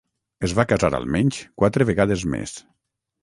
Es va casar almenys quatre vegades més.